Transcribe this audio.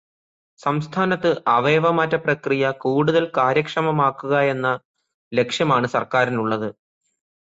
സംസ്ഥാനത്ത് അവയവമാറ്റ പ്രക്രിയ കൂടുതല് കാര്യക്ഷമമാക്കുകയെന്ന ലക്ഷ്യമാണ് സർക്കാരിനുള്ളത്.